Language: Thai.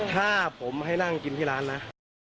ถ้าผมให้นั่งกินที่ร้านนะ